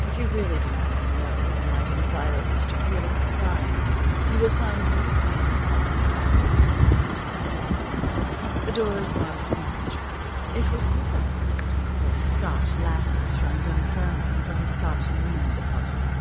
If you really demand to know you might inquire of Mr. Felix Klein. You will find him in a mahogany office on the sixth floor. The door is marked manager. It was his idea to import Scotch lassies from Dunfermline for his Scotch linen department.